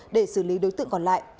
để xử lý đối tượng còn lại